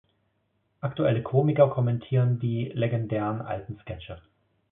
Aktuelle Komiker kommentieren die legendären alten Sketche.